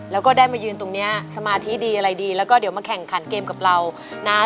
แล้วก็ได้มายืนตรงนี้สมาธิดีอะไรดีแล้วก็เดี๋ยวมาแข่งขันเกมกับเรานะ